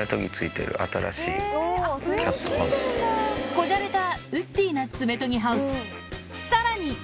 こじゃれたウッディーな爪とぎハウスさらに